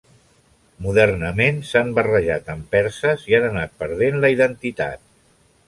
Modernament s'han barrejat amb perses i han anat perdent la identitat.